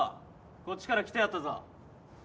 こっちから来てやったぞ。